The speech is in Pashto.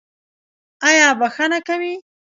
ایا بخښنه کوئ؟